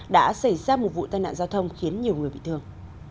đã xảy ra một vụ tai nạn giao thông khiến nhiều người bị thương